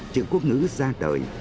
chữ quốc ngữ ra đời